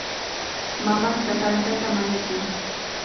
Mamanta tantata mañakun.